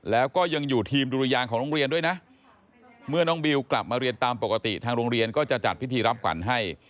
แล้วก็ยังอยู่ทีมดุรยางของโรงเรียนด้วยนะเมื่อน้องบิวกลับมาเรียนตามปกติทางโรงเรียนก็จะจัดพิธีรับขวัญให้